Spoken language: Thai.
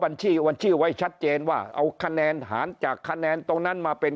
วันชี้ไว้ชัดเจนว่าเอาคะแนนหารจากคะแนนตรงนั้นมาเป็น